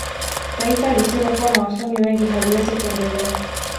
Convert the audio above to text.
taifa lisilokuwa na wasomi wengi haliwezi kuendelea